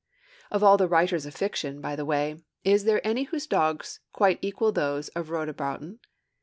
Of all writers of fiction, by the way, is there any whose dogs quite equal those of Rhoda Broughton?